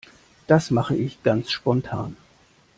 Das mache ich ganz spontan.